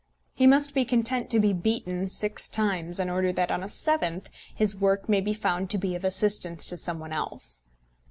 He must be content to be beaten six times in order that, on a seventh, his work may be found to be of assistance to some one else.